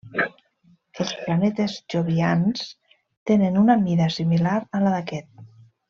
Els planetes jovians tenen una mida similar a la d'aquest.